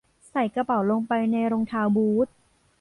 ใส่กระเป๋าลงไปในรองเท้าบูท